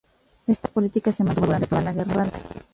Esta política se mantuvo durante toda la guerra.